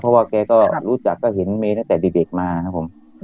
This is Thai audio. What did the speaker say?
เพราะว่าแกก็รู้จักก็เห็นเมย์ตั้งแต่เด็กมาครับผม